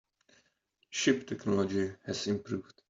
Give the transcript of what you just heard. Ship technology has improved.